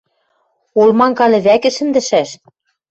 Олманга лӹвӓкӹ шӹндӹшӓш!..